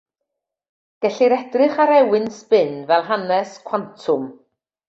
Gellir edrych ar ewyn sbin fel hanes cwantwm.